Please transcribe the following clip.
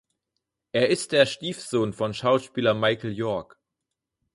Er ist der Stiefsohn von Schauspieler Michael York.